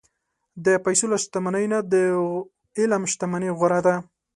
د پیسو له شتمنۍ نه، د علم شتمني غوره ده.